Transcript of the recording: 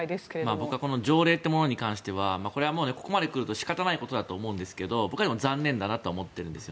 僕はこの条例というものに関してはここまで来ると仕方ないことだと思うんですが僕はでも残念だなとは思っているんですよ。